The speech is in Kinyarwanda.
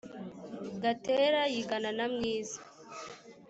gatera yigana na mwiza